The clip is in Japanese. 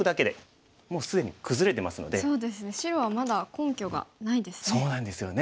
そうですね白はまだ根拠がないですね。